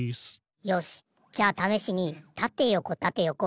よしじゃあためしにたてよこたてよこ